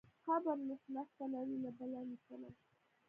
قبر نه شنخته لري نه بله لیکنه.